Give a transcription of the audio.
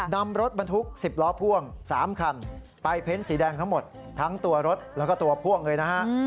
นำรถบรรทุก๑๐ล้อพ่วง๓คันไปเพ้นสีแดงทั้งหมดทั้งตัวรถแล้วก็ตัวพ่วงเลยนะฮะ